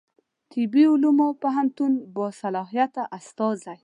طبي علومو پوهنتون باصلاحیته استازی